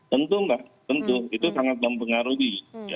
tentu mbak tentu itu sangat mempengaruhi